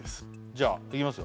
じゃあいきます